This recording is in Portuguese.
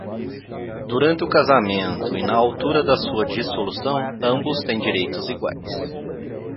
Durante o casamento e na altura da sua dissolução, ambos têm direitos iguais.